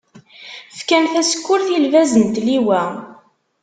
Fkan tasekkurt, i lbaz n tliwa.